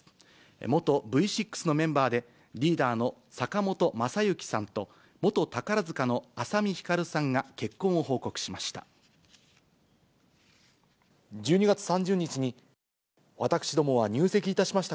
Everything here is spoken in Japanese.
元Ｖ６のメンバーで、リーダーの坂本昌行さんと、元宝塚の朝海ひかるさんが、結婚を報告しました。